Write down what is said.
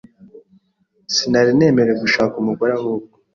sinari nemerewe gushaka umugore ahubwo